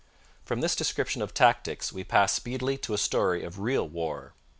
From this description of tactics we pass speedily to a story of real war.